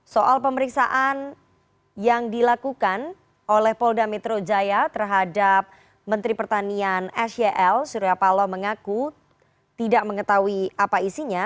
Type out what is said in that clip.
soal pemeriksaan yang dilakukan oleh polda metro jaya terhadap menteri pertanian sel surya paloh mengaku tidak mengetahui apa isinya